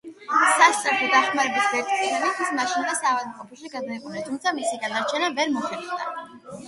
სასწრაფო დახმარების ვერტმფრენით ის მაშინვე საავადმყოფოში გადაიყვანეს, თუმცა მისი გადარჩენა ვერ მოხერხდა.